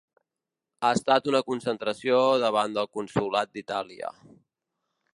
Ha estat una concentració davant del consolat d’Itàlia.